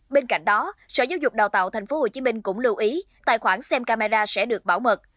bên cạnh đó sở giáo dục đào tạo tp hcm cũng lưu ý tài khoản xem camera sẽ được bảo mật